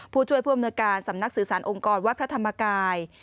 ผู้ช่วยผู้อำนวยการสำนักสื่อสารองค์กรวัดพระธรรมกาย